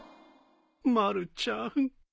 まるちゃん。